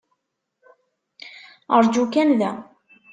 Aṛǧu kan da.